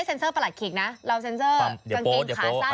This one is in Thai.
คุณผู้ชมเราไม่ได้เซ็นเซอร์ประหลักขิกนะ